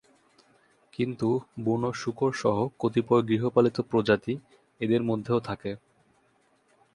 কিন্তু বুনো শূকর সহ কতিপয় গৃহপালিত প্রজাতি এদের মধ্যেও থাকে।